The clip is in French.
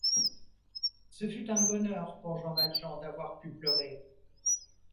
Ce fut un bonheur pour Jean Valjean d’avoir pu pleurer.